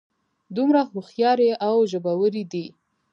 دومره هوښیارې او ژبورې دي.